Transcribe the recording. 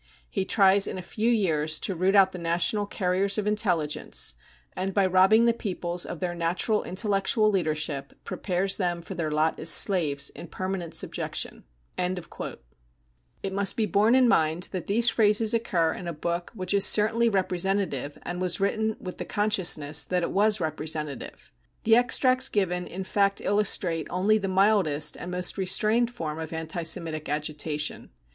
He tries in a few years to root out the national carriers of intelligence, and by robbing the peoples of their natural intellectual leadership, prepares them for their lot as slaves in permanent subjection, 53 It must be borne in mind that these phrases occur in a book which is certainly representative and was written with the consciousness that it was representative. The extracts given in fact illustrate only the mildest and most restrained form of anti Semitic agitation.